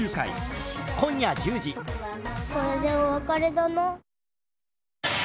これでお別れだな。